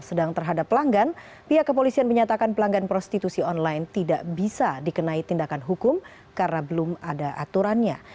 sedang terhadap pelanggan pihak kepolisian menyatakan pelanggan prostitusi online tidak bisa dikenai tindakan hukum karena belum ada aturannya